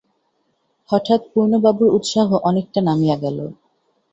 হঠাৎ পূর্ণবাবুর উৎসাহ অনেকটা নামিয়া গেল।